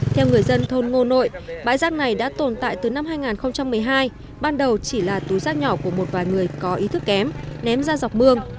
theo người dân thôn ngô nội bãi rác này đã tồn tại từ năm hai nghìn một mươi hai ban đầu chỉ là túi rác nhỏ của một vài người có ý thức kém ném ra dọc mương